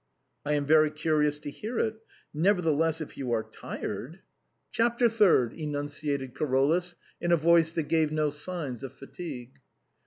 " I am very curious to hear it ; nevertheless, if you are tired—" " Chapter third !" enunciated Carolus, in a voice that gave no signs of fatigue.